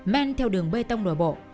men theo đường bê tông đồi bộ